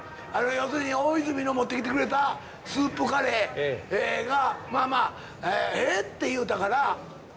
要するに大泉の持ってきてくれたスープカレーがまあまあ「えっ？」っていうたから。